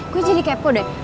gue jadi kepo deh